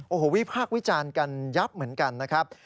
โอ้โหวิพากษ์วิจารณ์กันยับเหมือนกันนะครับ